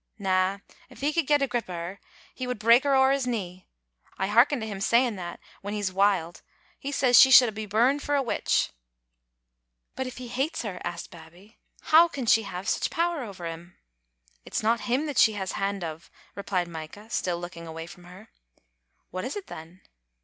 " Na; if he could get grip o' her he would break her ower his knee. I hearken to him saying that, when he's wild. He says she should be burned for a witch." "But if he hates her," asked Babbie, "how can she have sic power ower him?" "It's no him that she has baud o'," replied Micah, still looking away from her. "Whais it then?"